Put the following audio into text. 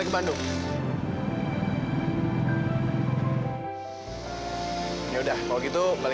kamu kan sahabatnya li